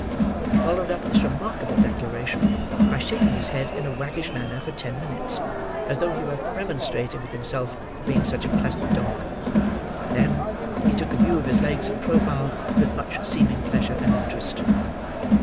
He followed up this remarkable declaration, by shaking his head in a waggish manner for ten minutes, as though he were remonstrating with himself for being such a pleasant dog; and then, he took a view of his legs in profile, with much seeming pleasure and interest.